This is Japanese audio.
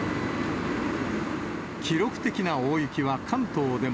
記録的な大雪は関東でも。